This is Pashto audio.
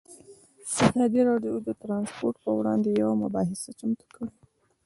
ازادي راډیو د ترانسپورټ پر وړاندې یوه مباحثه چمتو کړې.